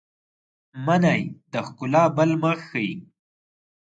منی د ښکلا بل مخ ښيي